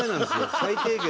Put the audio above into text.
最低限の。